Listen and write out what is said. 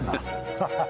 ハハハ。